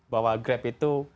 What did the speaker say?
bahwa grab itu